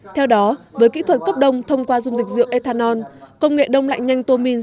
theo đó với kỹ thuật cấp đông thông qua dung dịch rượu ethanol công nghệ đông lạnh nhanh tomin